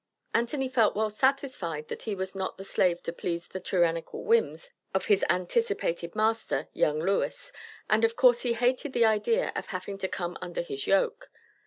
Anthony felt well satisfied that he was not the slave to please the "tyrannical whims" of his anticipated master, young Lewis, and of course he hated the idea of having to come under his yoke.